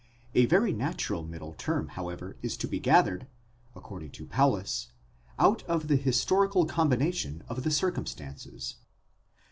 A very natural middle term however is to be gathered, according to Paulus, out of the historical combination of the circumstances.